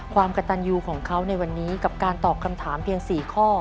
ความกระตันยูของเขาในวันนี้กับการตอบคำถามเพียง๔ข้อ